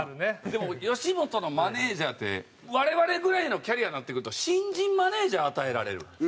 でも吉本のマネージャーって我々ぐらいのキャリアになってくると新人マネージャー与えられる。